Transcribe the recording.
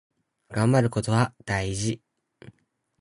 がんばることは大事。